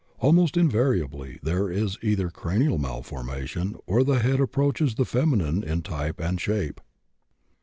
Almost invariably there is either cranial malformation or the head approaches the feminine in type and shape."